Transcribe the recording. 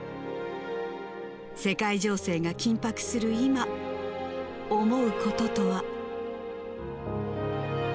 世界情勢が緊迫する今、思うこととは。